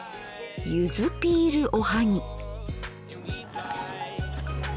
ゆずピールおはぎ。